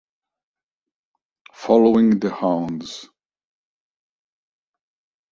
Following the Hounds